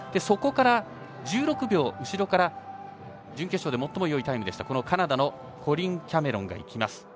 そこから、１６秒後ろから準決勝で最もいいタイムでしたカナダのコリン・キャメロンが行きます。